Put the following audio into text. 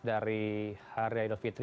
di hari aidul fitri